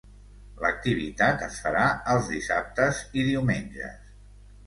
L'activitat es farà els dissabtes i diumenges.